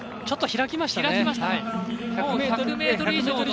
ちょっと開きましたね。